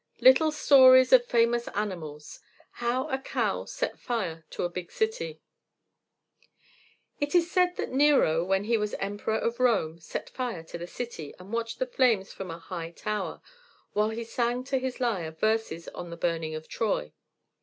LITTLE STORIES OF FAMOUS ANIMALS How a Cow Set Fire to a Big City It is said that Nero, when he was Emperor of Rome, set fire to the city, and watched the flames from a high tower, while he sang to his lyre verses on the burning of Troy.